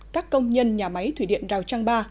các công nhân nhà máy thủy điện rào trang ba